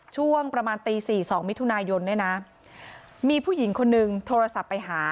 ช่วงประมาณตี๔๒มิถุนายนเนี่ยนะมีผู้หญิงคนนึงโทรศัพท์ไปหา